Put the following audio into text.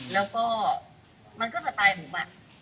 แล้วก็มันก็สไตล์บุ๋ม